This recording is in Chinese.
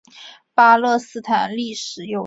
巴勒斯坦历史悠久。